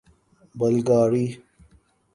بلغاری